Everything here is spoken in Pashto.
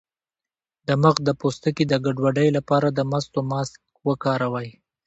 د مخ د پوستکي د ګډوډۍ لپاره د مستو ماسک وکاروئ